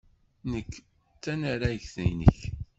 Nekk d tanaragt-nnek.